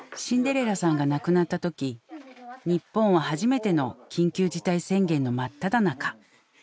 シンデレラさんが亡くなった時日本は初めての緊急事態宣言の真っただ中。